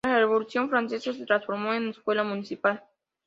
Tras la Revolución francesa, se transformó en escuela municipal.